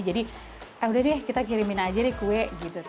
jadi eh udah deh kita kirimin aja deh kue gitu kan